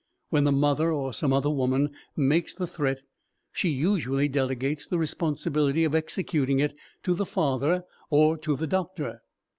When the mother or some other woman makes the threat she usually delegates the responsibility of executing it to the father or to the doctor.